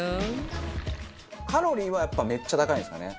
カロリーはやっぱめっちゃ高いんですかね？